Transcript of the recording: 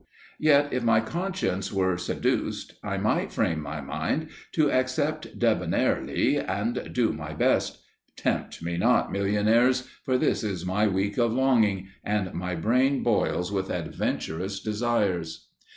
Yet if my conscience were seduced I might frame my mind to accept debonairly and do my best. Tempt me not, millionaires, for this is my week of longing, and my brain boils with adventurous desires.